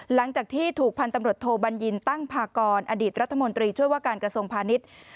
หลังจากที่ถูกพันธุ์ตำรวจโทบัญญินตั้งพากรอดีตรัฐมนตรีช่วยว่าการกระทรวงพาณิชย์